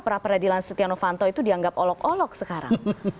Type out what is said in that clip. kita tahu pra predilan setia novanto itu dianggap olok olok sekarang